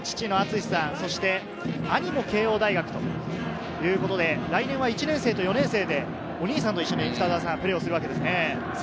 父のあつしさん、兄も慶應大学ということで来年は１年生と４年生でお兄さんと一緒にプレーをするわけですね。